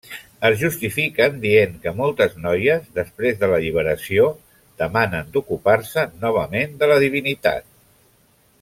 Es justifiquen dient que moltes noies, després de l'alliberació, demanen d'ocupar-se novament de la divinitat.